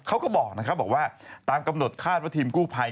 เขาก็บอกว่าตามกำหนดคาดว่าทีมกู้ภัย